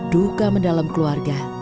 duka mendalam keluarga